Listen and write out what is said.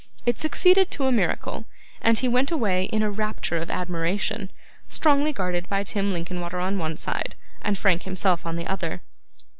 It succeeded to a miracle; and he went away in a rapture of admiration, strongly guarded by Tim Linkinwater on one side, and Frank himself on the other.